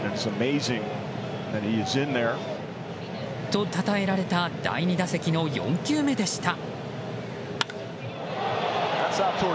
と、たたえられた第２打席の４球目でした。